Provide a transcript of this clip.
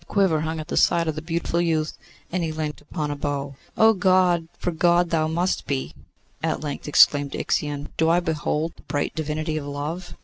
A quiver hung at the side of the beautiful youth, and he leant upon a bow. 'Oh! God, for God thou must be!' at length exclaimed Ixion. 'Do I behold the bright divinity of Love?